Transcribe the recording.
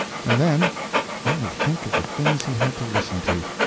And then only think of the things he had to listen to!